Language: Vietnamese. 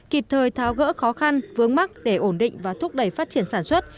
kịp thời tháo gỡ khó khăn vướng mắt để ổn định và thúc đẩy phát triển sản xuất